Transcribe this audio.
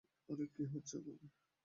আরে, কী হচ্ছে ওখানে?